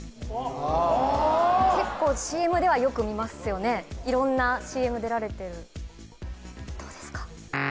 あ結構ＣＭではよく見ますよね色んなＣＭ出られてるどうですか？